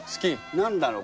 何だろう